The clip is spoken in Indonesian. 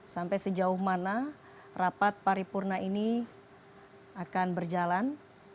sampai sejauh mana rapat paripurna ini akan berjalan